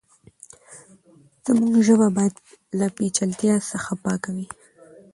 زموږ ژبه بايد له پېچلتيا څخه پاکه وي.